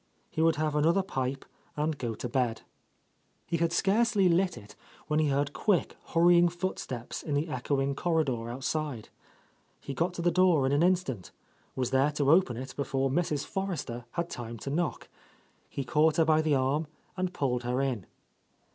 He would have another pipe, and go to bed. He had scarcely lit it, when he heard quick, hurrying footsteps in the echoing corridor out side. He got to the door in an instant, was there to open it before Mrs. Forrester had time to knock. He caught her by the arm and pulled her in.